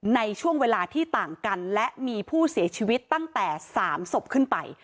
ในช่วงเวลาที่ต่างกันและมีผู้เสียชีวิตตั้งแต่๓ศพขึ้นไป